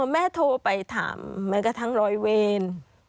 แม่โทรไปถามทั้งรอยเวน